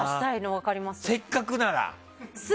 せっかくなら。